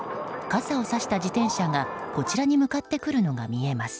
傘をさした自転車が、こちらに向かってくるのが見えます。